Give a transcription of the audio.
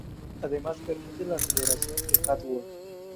Además permite la aceleración de hardware.